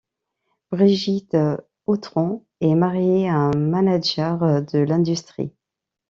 Brigitte Autran est mariée à un manager de l'industrie.